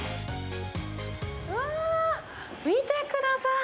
うわー、見てください！